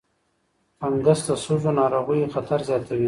فنګس د سږو ناروغیو خطر زیاتوي.